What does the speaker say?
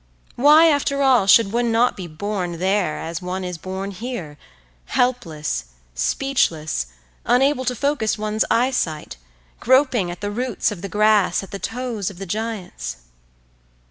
Why, after all, should one not be born there as one is born here, helpless, speechless, unable to focus one's eyesight, groping at the roots of the grass, at the toes of the Giants?